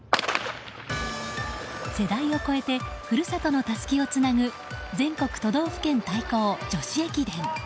世代を超えて故郷のタスキをつなぐ全国都道府県対抗女子駅伝。